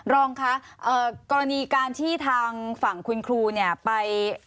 รองคะกรณีการที่ทางฝั่งคุณครูเนี่ยไป